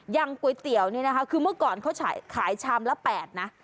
อย่างก๋วยเตี๋ยวนี่นะคะคือเมื่อก่อนเขาขายชามละ๘นะ